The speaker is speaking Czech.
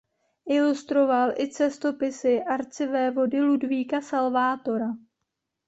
Ilustroval i cestopisy arcivévody Ludvíka Salvátora.